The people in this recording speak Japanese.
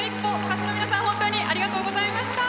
歌手の皆さん本当にありがとうございました。